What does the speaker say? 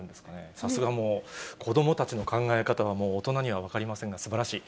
さすがもう、子どもたちの考え方はもう大人には分かりませんが、すばらしい。